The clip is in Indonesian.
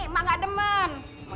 emak gak demen